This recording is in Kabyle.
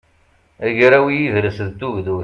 agraw i yidles d tugdut